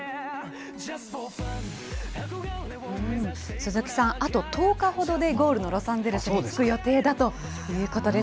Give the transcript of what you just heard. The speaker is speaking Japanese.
鈴木さん、あと１０日ほどでゴールのロサンゼルスに着く予定だということです。